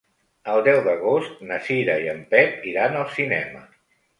El deu d'agost na Cira i en Pep iran al cinema.